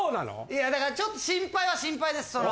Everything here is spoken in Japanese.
いやだからちょっと心配は心配です。